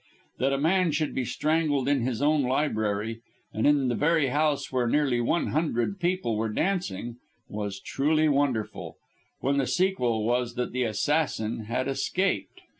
That a man should be strangled in his own library, and in the very house where nearly one hundred people were dancing, was truly wonderful, when the sequel was that the assassin had escaped.